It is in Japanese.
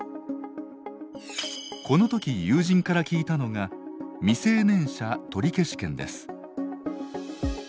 この時友人から聞いたのが未成年者取消権です。